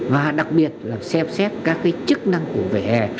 và đặc biệt là xem xét các cái chức năng của vỉa hè